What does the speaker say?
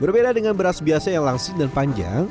berbeda dengan beras biasa yang langsing dan panjang